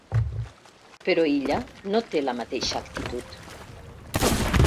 Però Illa no té la mateixa actitud.